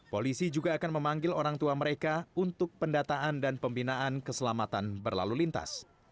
polisi juga akan memanggil orang tua mereka untuk pendataan dan pembinaan keselamatan berlalu lintas